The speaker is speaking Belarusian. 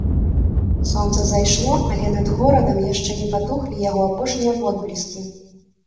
Сонца зайшло, але над горадам яшчэ не патухлі яго апошнія водбліскі.